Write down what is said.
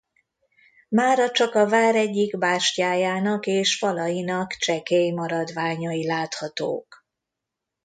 Mára csak a vár egyik bástyájának és falainak csekély maradványai láthatók.